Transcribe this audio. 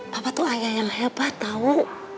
papa tuh ayah yang hebat tau